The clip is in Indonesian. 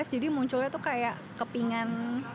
jadi munculnya itu kayak kepingan